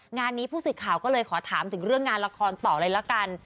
งานนี้ผู้สื่อข่าวก็เลยขอถามถึงเรื่องงานละครต่อเลยละกัน